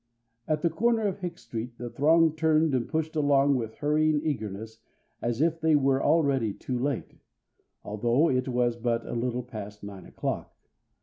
At the corner of Hicks Street the throng turned and pushed along with hurrying eagerness as if they were already too late, although it was but a little past nine o'clock.